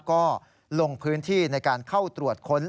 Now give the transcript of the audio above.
ก็ลงพื้นที่ในการเข้าตรวจค้น